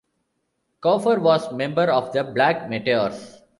Kuffour was member of the Black Meteors.